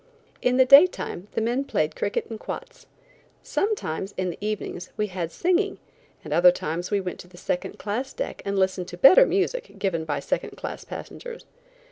In the daytime the men played cricket and quoits. Sometimes, in the evenings, we had singing, and other times we went to the second class deck and listened to better music given by second class passengers.